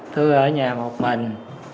tôi ở nhà một mình